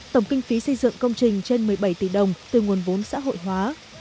tổng kinh phí xây dựng công trình trên một mươi bảy tỷ đồng từ nguồn vốn xã hội hóa